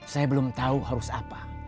saya belum tahu harus apa